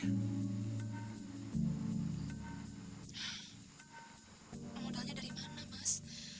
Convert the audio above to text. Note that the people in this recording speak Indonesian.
modalnya dari mana mas